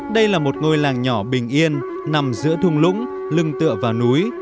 đây là một ngôi làng nhỏ bình yên nằm giữa thung lũng lưng tựa và núi